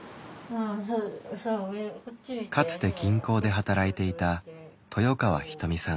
かつて銀行で働いていた豊川ひと美さん。